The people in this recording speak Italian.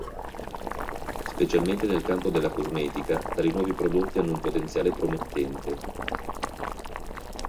Specialmente nel campo della cosmetica, tali nuovi prodotti hanno un potenziale promettente.